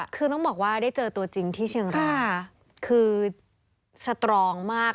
คือต้องบอกว่าได้เจอตัวจริงที่เชียงรายคือสตรองมาก